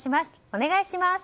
お願いします。